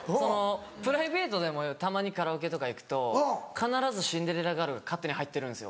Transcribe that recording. プライベートでもたまにカラオケとか行くと必ず『シンデレラガール』が勝手に入ってるんですよ。